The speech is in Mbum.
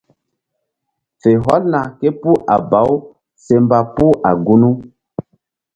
Fe hɔlna képuh a baw se mba puh a gunu.